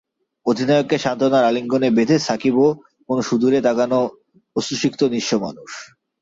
অধিনায়ককে সান্ত্বনার আলিঙ্গনে বেঁধে সাকিবও কোনো সুদূরে তাকানো অশ্রুসিক্ত নিঃস্ব মানুষ।